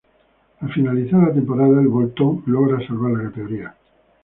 Al finalizar la temporada, el Bolton logró salvar la categoría.